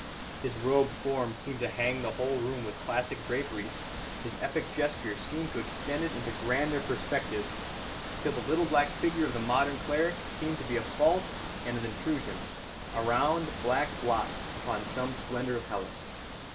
His robed form seemed to hang the whole room with classic draperies; his epic gesture seemed to extend it into grander perspectives, till the little black figure of the modern cleric seemed to be a fault and an intrusion, a round, black blot upon some splendour of Hellas.